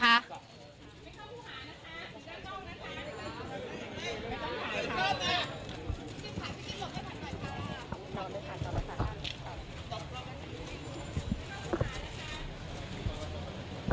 บรรยากาศค่ะ